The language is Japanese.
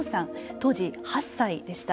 当時８歳でした。